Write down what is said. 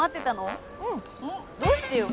どうしてよ？